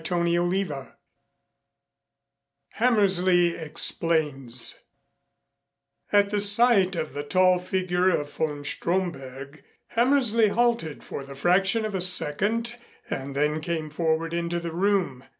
CHAPTER XII HAMMERSLEY EXPLAINS At the sight of the tall figure of von Stromberg, Hammersley halted for the fraction of a second and then came forward into the room.